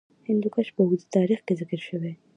هندوکش په اوږده تاریخ کې ذکر شوی.